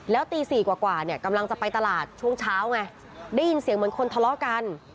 แล้วตี๔กว่าเนี่ยกำลังจะไปตลาดช่วงเช้าไงได้ยินเสียงเหมือนคนทะเลาะกัน